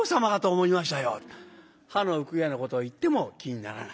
歯の浮くようなことを言っても気にならないという。